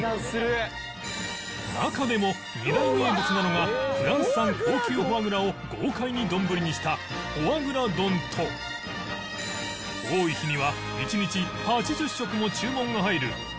中でも２大名物なのがフランス産高級フォアグラを豪快に丼にしたフォアグラ丼と多い日には１日８０食も注文が入るハンバーグステーキ